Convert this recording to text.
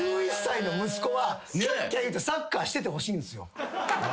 １１歳の息子はキャッキャいうてサッカーしててほしいんですよ。